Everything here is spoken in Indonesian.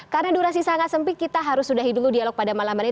karena durasi sangat sempit kita harus sudahi dulu dialog pada malam hari ini